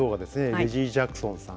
レジー・ジャクソンさん。